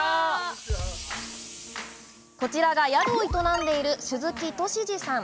こちらが宿を営んでいる鈴木敏司さん。